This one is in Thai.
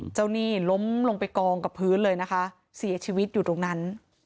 หนี้ล้มลงไปกองกับพื้นเลยนะคะเสียชีวิตอยู่ตรงนั้น